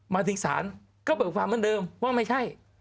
มาถึงศาลก็เบิกความเหมือนเดิมว่าไม่ใช่